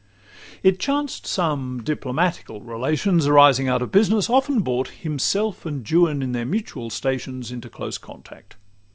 XV It chanced some diplomatical relations, Arising out of business, often brought Himself and Juan in their mutual stations Into close contact.